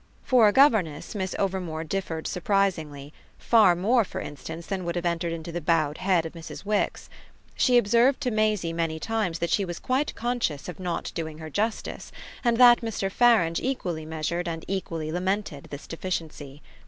For a governess Miss Overmore differed surprisingly; far more for instance than would have entered into the bowed head of Mrs. Wix. She observed to Maisie many times that she was quite conscious of not doing her justice, and that Mr. Farange equally measured and equally lamented this deficiency.